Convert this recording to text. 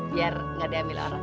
biar gak diambil orang